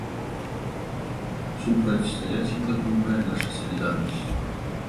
Супрацьстаяць ім дапамагае наша салідарнасць.